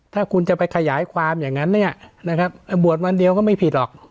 ถ้าคุณจะไปขยายความอย่างนั้นเนี่ยนะครับบวชวันเดียวก็ไม่ผิดหรอก